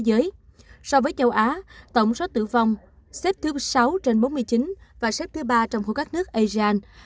giới so với châu á tổng số tử vong xếp thứ sáu trên bốn mươi chín và xếp thứ ba trong khối các nước asean